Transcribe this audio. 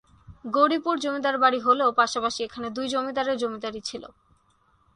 গৌরীপুর জমিদার বাড়ি হলেও পাশাপাশি এখানে দুই জমিদারের জমিদারী ছিল।